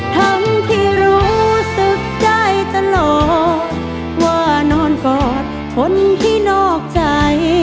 ทั้งที่รู้สึกใจตลอดว่านอนกอดคนที่นอกใจ